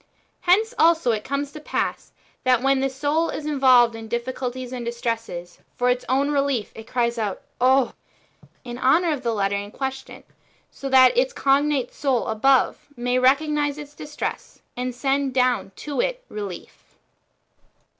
"^ Hence also it comes to pass, that when the soul is involved in diffi culties and distresses, for its own relief it calls out, " Oh" (/2), in honour of the letter in question,* so that its cognate soul above may recognise [its distress], and send down to it relief.